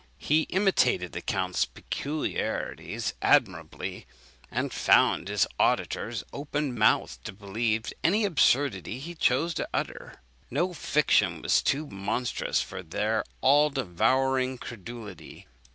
He imitated the count's peculiarities admirably, and found his auditors open mouthed to believe any absurdity he chose to utter. No fiction was too monstrous for their all devouring credulity.